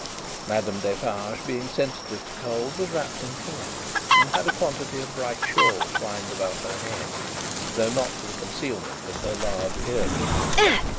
Madame Defarge being sensitive to cold, was wrapped in fur, and had a quantity of bright shawl twined about her head, though not to the concealment of her large earrings.